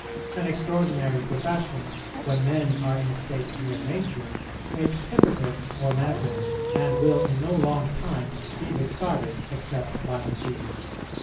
An extraordinary profession, when men are in a state of mere nature, makes hypocrites or madmen, and will in no long time be discarded except by the few.